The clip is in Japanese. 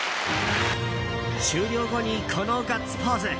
終了後にこのガッツポーズ。